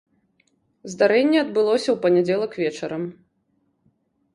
Здарэнне адбылося ў панядзелак вечарам.